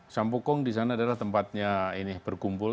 sampokong disana adalah tempatnya ini berkumpul